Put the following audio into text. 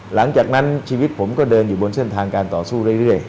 หลังจากนั้นชีวิตผมก็เดินอยู่บนเส้นทางการต่อสู้เรื่อย